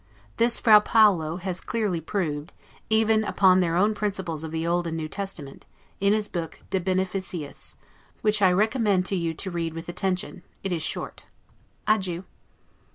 This Fra Paolo has clearly proved, even upon their own principles of the Old and New Testament, in his book 'de Beneficiis', which I recommend to you to read with attention; it is short. Adieu.